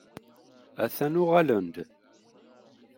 A-t-an uɣalen-d.